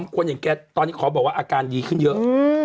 คนอย่างแกตอนนี้ขอบอกว่าอาการดีขึ้นเยอะ